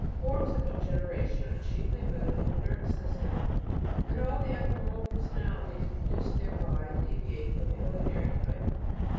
Forms of "degeneration" are chiefly rooted in the nervous system, and all the abnormal personalities produced thereby "deviate" from the ordinary type.